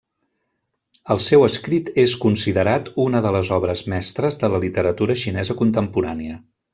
El seu escrit és considerat una de les obres mestres de la literatura xinesa contemporània.